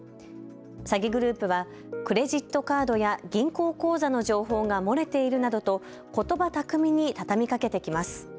詐欺グループはクレジットカードや銀行口座の情報が漏れているなどとことば巧みに畳みかけてきます。